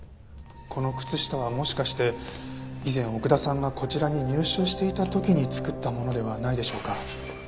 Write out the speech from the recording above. この靴下はもしかして以前奥田さんがこちらに入所していた時に作ったものではないでしょうか？